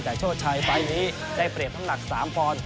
แต่โชชัยไฟล์ทนี้ได้เปลี่ยนทำหนัก๓พร